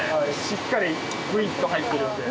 しっかりグイッと入ってるんで。